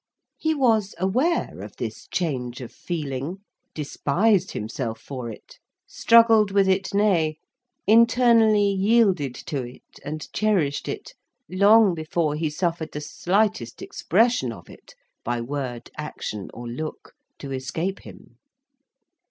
He was aware of this change of feeling, despised himself for it, struggled with it nay, internally yielded to it and cherished it, long before he suffered the slightest expression of it, by word, action, or look, to escape him.